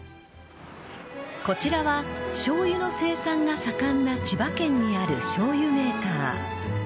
こちらはしょうゆの生産が盛んな千葉県にあるしょうゆメーカー。